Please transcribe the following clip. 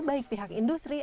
baik pihak industri